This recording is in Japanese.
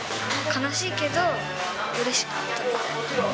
悲しいけどうれしかった。